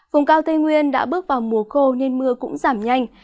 vùng cao tây nguyên đã bước vào mùa khô nên mưa cũng giảm nhanh